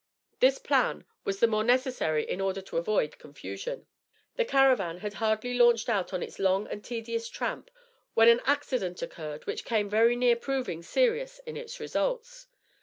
This plan was the more necessary in order to avoid confusion. The caravan had hardly launched out on its long and tedious tramp, when an accident occurred which came very near proving serious in its results.